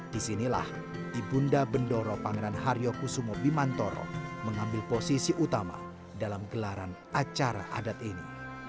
disinilah ibunda bendoro pangeran haryo kusumo bimantoro mengambil posisi utama dalam gelaran acara adat ini